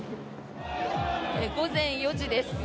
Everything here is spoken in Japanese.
午前４時です。